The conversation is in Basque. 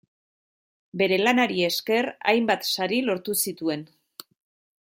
Bere lanari esker hainbat sari lortu zituen.